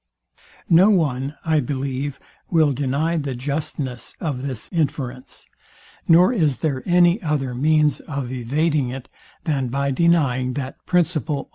No one, I believe, will deny the justness of this inference; nor is there any other means of evading it, than by denying that principle, on which it is founded.